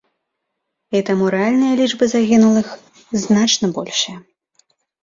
І таму рэальныя лічбы загінулых значна большыя.